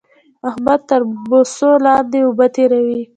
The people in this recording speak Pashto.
احمد تر بوسو لاندې اوبه تېروي